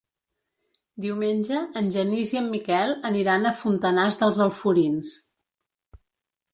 Diumenge en Genís i en Miquel aniran a Fontanars dels Alforins.